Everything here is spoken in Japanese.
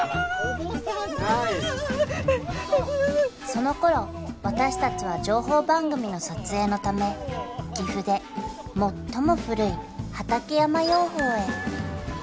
［そのころ私たちは情報番組の撮影のため岐阜で最も古い畑山養蜂へ］